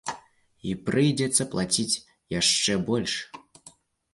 І прыйдзецца плаціць яшчэ больш.